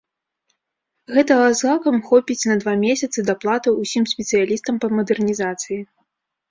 Гэтага з гакам хопіць на два месяцы даплатаў усім спецыялістам па мадэрнізацыі.